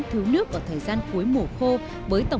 thứ nước ở thời gian cuối mùa khô